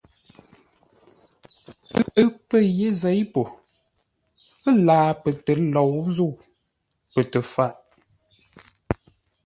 Ə́ pə̂ yé zěi po ə́lǎa pətəlǒu-zə̂u, pə tə-faʼ.